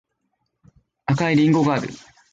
赤いりんごがある